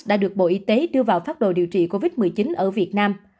đã được bộ y tế đưa vào phát đồ điều trị covid một mươi chín ở việt nam